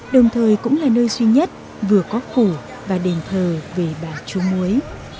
đồng thời cũng là nơi duy nhất vừa có khổ và đề thờ về bà châu muối